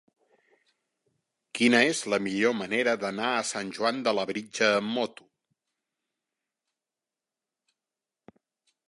Quina és la millor manera d'anar a Sant Joan de Labritja amb moto?